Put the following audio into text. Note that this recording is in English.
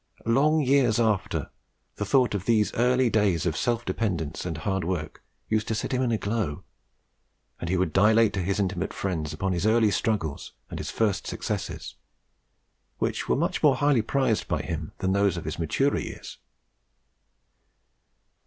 Long years after, the thought of these early days of self dependence and hard work used to set him in a glow, and he would dilate to his intimate friends up on his early struggles and his first successes, which were much more highly prized by him than those of his maturer years.